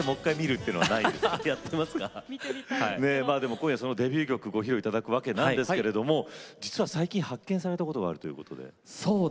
今夜デビュー曲をご披露いただくわけですが最近、発見されたことがあるということで。